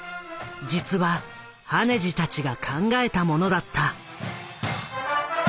実は羽地たちが考えたものだった。